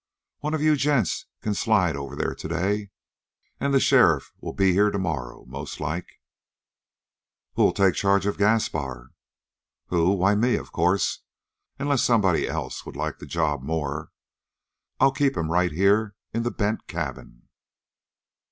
One of you gents can slide over there today, and the sheriff'll be here tomorrow, mostlike." "But who'll take charge of Gaspar?" "Who? Why me, of course! Unless somebody else would like the job more? I'll keep him right here in the Bent cabin."